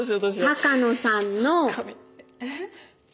鷹野さんの。えっ？